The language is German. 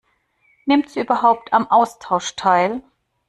Nimmt sie überhaupt am Austausch teil?